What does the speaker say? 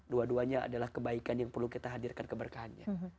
dua duanya adalah kebaikan yang perlu kita hadirkan keberkahannya